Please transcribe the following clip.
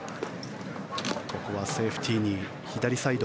ここはセーフティーに左サイド。